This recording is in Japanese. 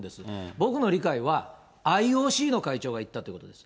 僕の理解は、ＩＯＣの会長が行ったっていうことです。